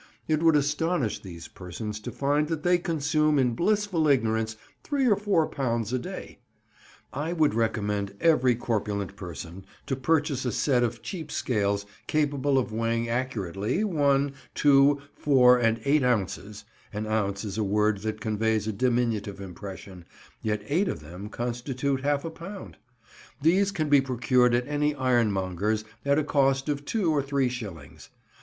It would astonish these persons to find that they consume in blissful ignorance three or four pounds a day. I would recommend every corpulent person to purchase a set of cheap scales capable of weighing accurately one, two, four, and eight ounces (an ounce is a word that conveys a diminutive impression, yet eight of them constitute half a pound); these can be procured at any ironmonger's at a cost of two or three shillings.